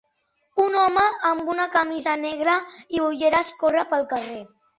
Un home amb una camisa negra i ulleres corre pel carrer